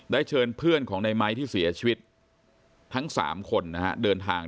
ได้เชิญเพื่อนของนายไม้ที่เสียชีวิตทั้ง๓คนนะครับ